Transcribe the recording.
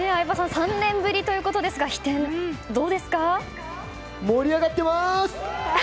３年ぶりということですが盛り上がってます！